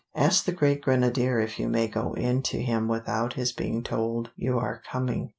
Ask the great grenadier if you may go in to him without his being told you are coming.